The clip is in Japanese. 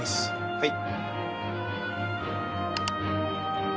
はい。